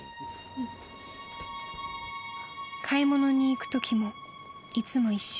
［買い物に行くときもいつも一緒］